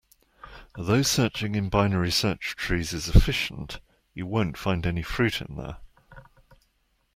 Although searching in binary search trees is efficient, you won't find any fruit in there.